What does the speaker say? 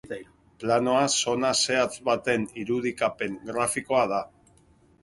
Planoa zona zehatz baten irudikapen grafikoa da.